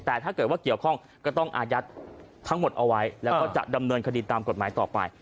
แต่ถ้าเกิดว่าเกี่ยวข้องก็ต้องอายัดทั้งหมดเอาไว้แล้วก็จะดำเนินคดีตามกฎหมายต่อไป